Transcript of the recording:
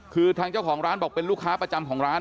คือทางเจ้าของร้านบอกเป็นลูกค้าประจำของร้าน